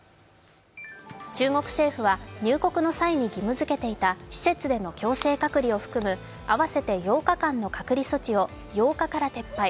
中国政府は入国の際に義務づけていた施設での強制隔離を含む合わせて８日間の隔離措置を８日から撤廃。